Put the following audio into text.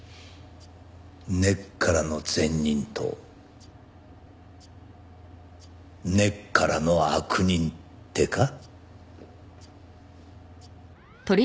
根っからの善人と根っからの悪人ってか？